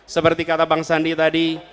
seperti kata bang sandi tadi